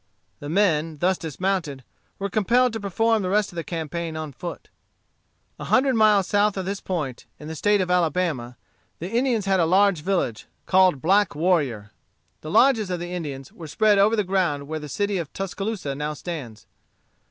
The men, thus dismounted, were compelled to perform the rest of the campaign on foot. A hundred miles south of this point, in the State of Alabama, the Indians had a large village, called Black Warrior. The lodges of the Indians were spread over the ground where the city of Tuscaloosa now stands.